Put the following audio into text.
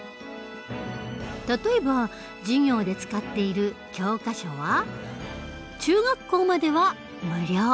例えば授業で使っている教科書は中学校までは無料。